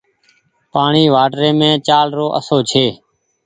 پآڻيٚ واٽريم چآلرو آسو ڇي